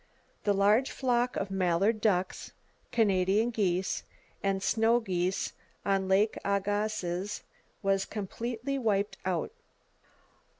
The large flock of mallard ducks, Canada geese, and snow geese on Lake Agassiz was completely wiped out.